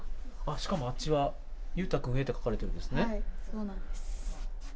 しかもあっちは勇太君へと書かれているんですね。